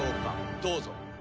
どうぞ。